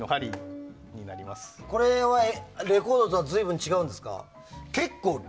これはレコードとはずいぶん違うんですか？